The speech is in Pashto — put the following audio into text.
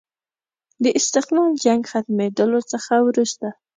د استقلال جنګ ختمېدلو څخه وروسته.